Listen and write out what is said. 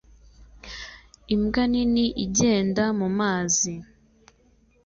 Imbwa nini igenda mu mazi